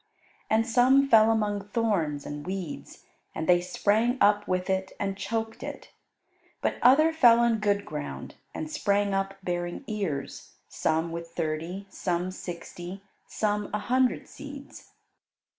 And some fell among thorns and weeds, and they sprang up with it and choked it. But other fell on good ground, and sprang up bearing ears, some with thirty, some sixty, some a hundred seeds.